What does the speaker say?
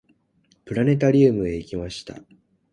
プラネタリウムへ行きました。